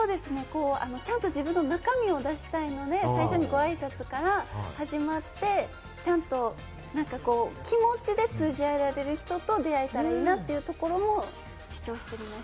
ちゃんと自分の中身を出したいので、最初のご挨拶から始まって、ちゃんと気持ちで通じ合える人と出会えたらいいなっていうところも主張してみました。